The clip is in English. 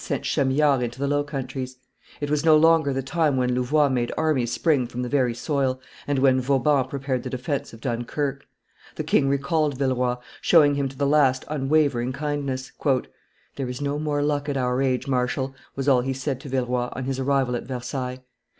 sent Chamillard into the Low Countries; it was no longer the time when Louvois made armies spring from the very soil, and when Vauban prepared the defence of Dunkerque. The king recalled Villeroi, showing him to the last unwavering kindness. "There is no more luck at our age, marshal," was all he said to Villeroi, on his arrival at Versailles.